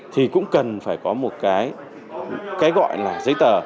thì cũng cần phải có một cái gọi là giấy tờ